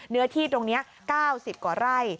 เนื้อที่ตรงนี้๙๐กว่าไร่